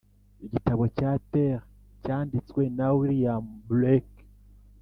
"igitabo cya thel" cyanditswe na william blake